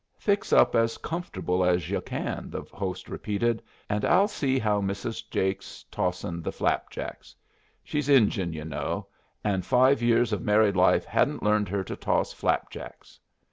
"Fix up as comfortable as yu' can," the host repeated, "and I'll see how Mrs. Jake's tossin' the flapjacks. She's Injun, yu' know, and five years of married life hadn't learned her to toss flapjacks.